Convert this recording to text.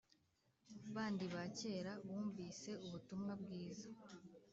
bandi ba kera bumvise ubutumwa bwiza